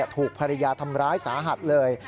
ถูกภรรยาทำร้ายสาหัสเลย